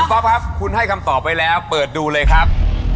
ก๊อฟครับคุณให้คำตอบไว้แล้วเปิดดูเลยครับ